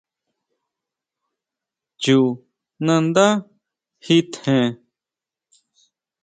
Chú nandá ji tjen.